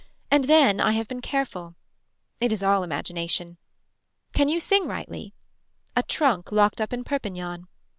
And then I have been careful. It is all imagination. Can you sing rightly. A trunk locked up in Perpignan.